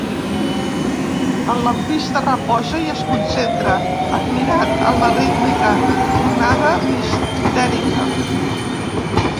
El lampista reposa i es concentra, admirat, en la rítmica tonada mistèrica.